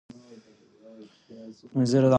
د نورو دې هوساينۍ لپاره